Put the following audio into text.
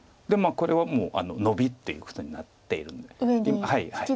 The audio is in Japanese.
でこれはもうノビっていうことになっているんで。